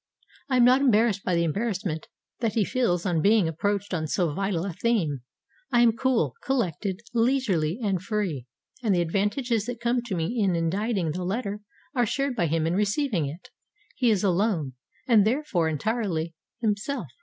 I am not embarrassed by the embarrassment that he feels on being approached on so vital a theme. I am cool, collected, leisurely, and free. And the advantages that come to me in inditing the letter are shared by him in receiving it. He is alone, and therefore entirely himself.